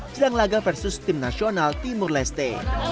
jelang laga versus tim nasional timur leste